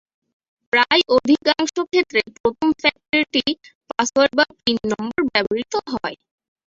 প্রায় অধিকাংশ ক্ষেত্রে প্রথম ফ্যাক্টরটি পাসওয়ার্ড বা পিন নম্বর ব্যবহৃত হয়।